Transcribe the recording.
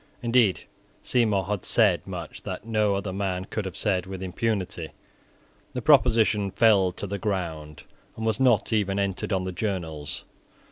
Indeed, Seymour had said much that no other man could have said with impunity. The proposition fell to the ground, and was not even entered on the journals.